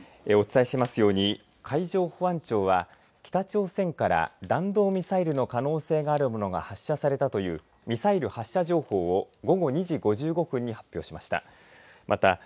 お伝えしていますように海上保安庁は北朝鮮から弾道ミサイルの可能性があるものが発射されたというミサイル発射情報を午後２時５５分に発表しました。